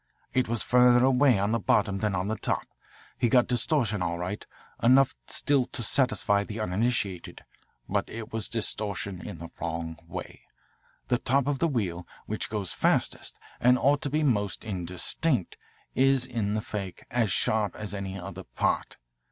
It was further away on the bottom than on the top. He got distortion all right, enough still to satisfy the uninitiated. But it was distortion in the wrong way! The top of the wheel, which goes fastest and ought to be most indistinct, is, in the fake, as sharp as any other part.